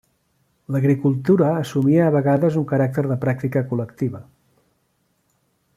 L'agricultura assumia a vegades un caràcter de pràctica col·lectiva.